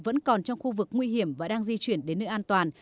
vẫn còn trong khu vực nguy hiểm và đang di chuyển đến nơi an toàn